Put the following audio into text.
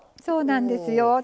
そうなんですよ